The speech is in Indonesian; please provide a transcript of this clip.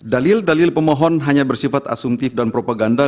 dalil dalil pemohon hanya bersifat asumtif dan propaganda